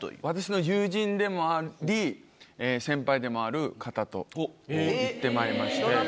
私の友人でもあり先輩でもある方と行ってまいりました。